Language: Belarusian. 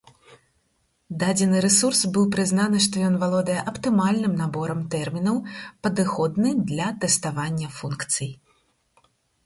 Дадзены рэсурс быў прызнаны, што ён валодае аптымальным наборам тэрмінаў, падыходны для тэставання функцый.